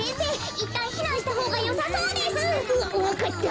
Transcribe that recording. いったんひなんしたほうがよさそうです！わわかった。